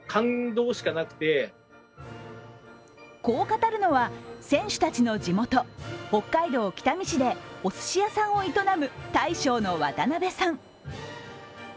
こう語るのは、選手たちの地元、北海道北見市でおすし屋さんを営む大将の渡辺さん。